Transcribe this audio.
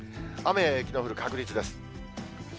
雨や雪の降る確率です。